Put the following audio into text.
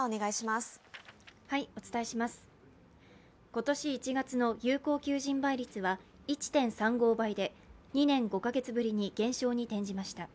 今年１月の有効求人倍率は１．３５倍で２年５か月ぶりに減少に転じました。